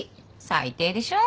最低でしょ？